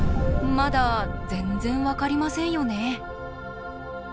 まだ全然分かりませんよね。